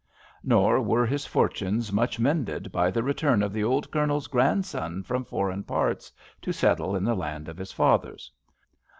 Nor were his fortunes much mended by the return of th' old Cournel's grandson from foreign parts to settle in the land of his fathers.